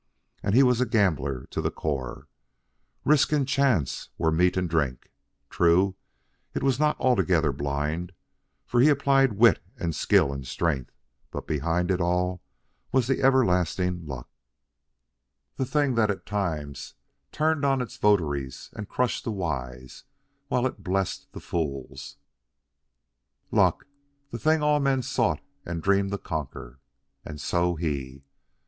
And he was a gambler to the core. Risk and chance were meat and drink. True, it was not altogether blind, for he applied wit and skill and strength; but behind it all was the everlasting Luck, the thing that at times turned on its votaries and crushed the wise while it blessed the fools Luck, the thing all men sought and dreamed to conquer. And so he.